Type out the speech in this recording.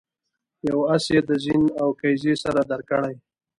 یو آس یې د زین او کیزې سره درکړی.